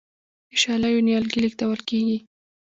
د شالیو نیالګي لیږدول کیږي.